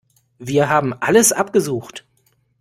Wir haben alles abgesucht.